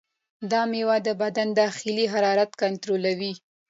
دا میوه د بدن د داخلي حرارت کنټرولوي.